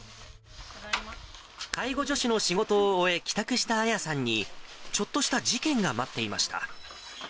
介護助手の仕事を終え、帰宅した亜矢さんに、ちょっとした事件が待っていました。